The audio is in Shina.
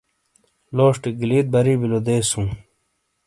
لوشٹے گلیت بری بلو دیز ہوں ۔